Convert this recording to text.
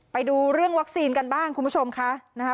ไปดูเรื่องวัคซีนกันบ้างคุณผู้ชมค่ะนะคะ